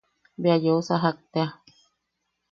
Bea yeu sajak tea.